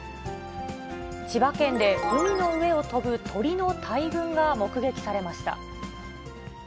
千葉県で海の上を飛ぶ鳥の大群が目撃されました。